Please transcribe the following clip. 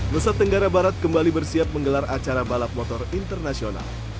nusantara barat kembali bersiap menggelar acara balap motor internasional